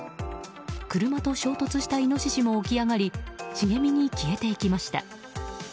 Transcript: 車と衝突したイノシシも起き上がり茂みに消えていきました。